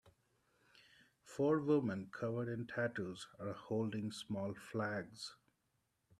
Four women covered in tattoos are holding small flags.